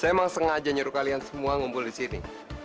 saya emang sengaja nyuruh kalian semua ngumpul di sini